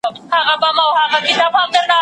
اقتصاد پوهان وايي چي ازاد بازار ګټور دی.